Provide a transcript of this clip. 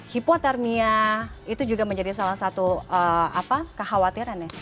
hipotermia itu juga menjadi salah satu kekhawatiran ya